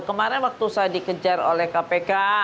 kemarin waktu saya dikejar oleh kpk